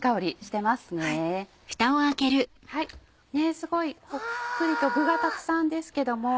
すごいたっぷりと具がたくさんですけども。